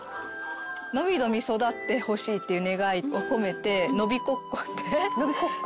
のびのび育ってほしいっていう願いを込めて「のびこっこ」って。のびこっこ？